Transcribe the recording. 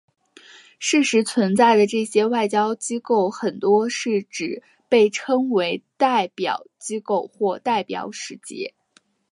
事实存在的这些外交机构很多是只被称为代表机构或代表使节。